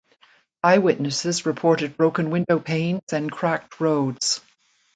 Eyewitnesses reported broken window panes and cracked roads.